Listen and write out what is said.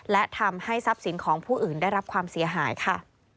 และทำให้ทรัพย์สินของผู้อื่นได้รับความเสียหายค่ะ